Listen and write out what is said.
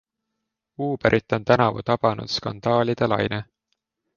Uberit on tänavu tabanud skandaalide laine.